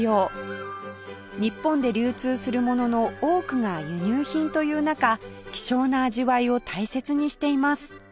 日本で流通するものの多くが輸入品という中希少な味わいを大切にしています